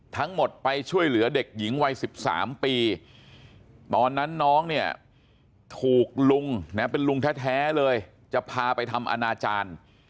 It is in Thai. ทั้งหมดไปช่วยเหลือเด็กหญิงวัย๑๓ปีตอนนั้นน้องเนี่ยถูกลุงนะเป็นลุงแท้เลยจะพาไปทำอนาจารย์